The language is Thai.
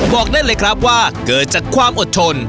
บอกได้เลยครับว่าเกิดจากความอดทน